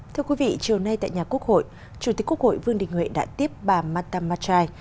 thưa quý vị chiều nay tại nhà quốc hội chủ tịch quốc hội vương đình huệ đã tiếp bà marta matrai